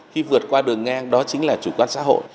khi vượt qua đường ngang đó chính là chủ quan xã hội